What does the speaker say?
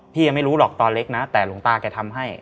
ยังไม่รู้หรอกตอนเล็กนะแต่หลวงตาแกทำให้